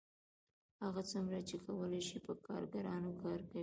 هغه څومره چې کولی شي په کارګرانو کار کوي